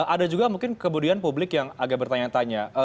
ada juga mungkin kemudian publik yang agak bertanya tanya